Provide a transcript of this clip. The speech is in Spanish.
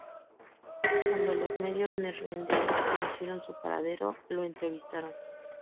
Cuando los medios neerlandeses conocieron su paradero, lo entrevistaron.